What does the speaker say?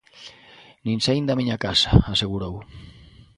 "Nin saín da miña casa", asegurou.